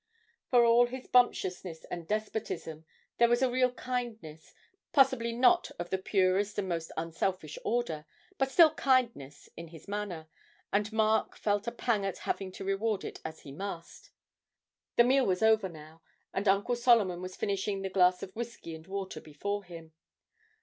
For all his bumptiousness and despotism, there was a real kindness, possibly not of the purest and most unselfish order, but still kindness in his manner, and Mark felt a pang at having to reward it as he must. The meal was over now, and Uncle Solomon was finishing the glass of whisky and water before him.